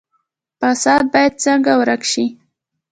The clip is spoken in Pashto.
فساد باید څنګه ورک شي؟